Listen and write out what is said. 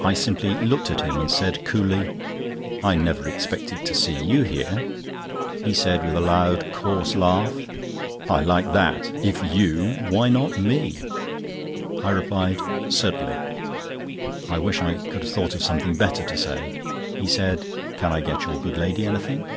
I simply looked at him, and said coolly: "I never expected to see you here." He said, with a loud, coarse laugh: "I like that—if you, why not me?" I replied: "Certainly," I wish I could have thought of something better to say. He said: "Can I get your good lady anything?"